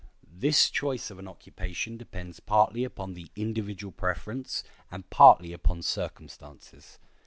This choice of an occupation depends partly upon the individual preference and partly upon circumstances.